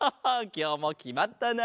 きょうもきまったな。